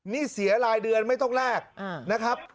นี่เสียรายเดือนไม่ต้องแลกนะครับ